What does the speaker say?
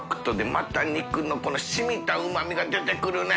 泙親この染みたうま味が出てくるね。